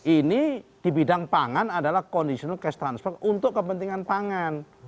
ini di bidang pangan adalah conditional cash transfer untuk kepentingan pangan